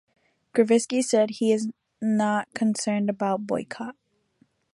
Gruevski said that he is not concerned about boycott.